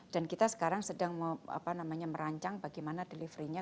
dan kita sekarang sedang merancang bagaimana delivery nya